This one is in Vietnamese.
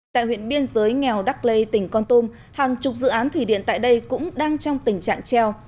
tại huyện biên giới nghèo đắk lê tỉnh con tôm hàng chục dự án thủy điện tại đây cũng đang trong tình trạng treo